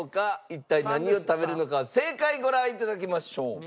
一体何を食べるのか正解ご覧頂きましょう。